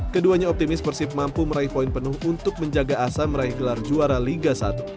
keduanya optimis persib mampu meraih poin penuh untuk menjaga asa meraih gelar juara liga satu